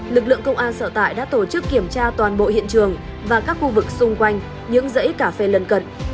lực lượng công an sở tại đã tổ chức kiểm tra toàn bộ hiện trường và các khu vực xung quanh những dãy cà phê lân cận